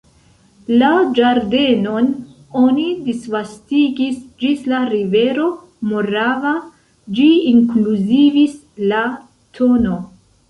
La ĝardenon oni disvastigis ĝis la rivero Morava: ĝi inkluzivis la tn.